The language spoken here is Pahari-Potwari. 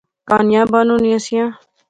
کہانیاں بانونیاں سیاں